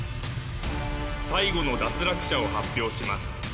最後の脱落者を発表します